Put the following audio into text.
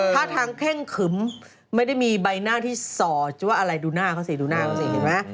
ท่าทางเข้งขึมไม่ได้มีใบหน้าที่สอดหรือว่าอะไรดูหน้าเขาสิดูหน้าเขาสิเห็นไหม